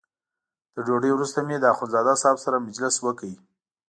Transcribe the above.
تر ډوډۍ وروسته مې له اخندزاده صاحب سره مجلس وکړ.